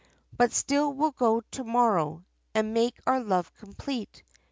But still, we'll go to morrow, And make our love complete."